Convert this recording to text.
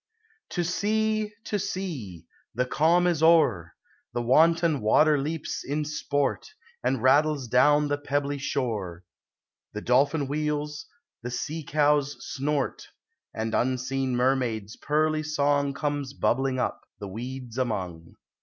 To sea ! to sea ! the calm is o'er, The wanton water leaps in sport, And rattles down the pebbly shore, The dolphin wheels, the sea cows snort, And unseen mermaid's pearly song Conies bubbling up, the weeds among.